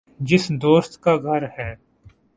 جس دوست کا گھر ہے